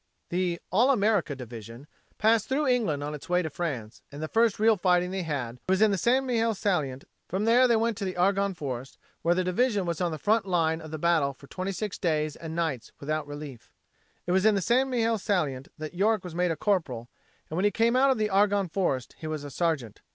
The "All America" Division passed through England on its way to France and the first real fighting they had was in the St. Mihiel Salient. From there they went to the Argonne Forest, where the division was on the front line of the battle for twenty six days and nights without relief. It was in the St. Mihiel Salient that York was made a Corporal, and when he came out of the Argonne Forest he was a Sergeant.